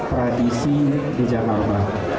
tradisi di jakarta